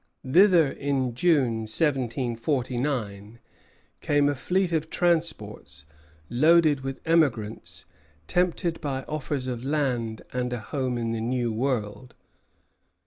Thither in June, 1749, came a fleet of transports loaded with emigrants, tempted by offers of land and a home in the New World.